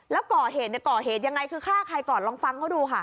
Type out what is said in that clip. แล้วก่อเหตุก่อเหตุยังไงคือฆ่าใครก่อนลองฟังเขาดูค่ะ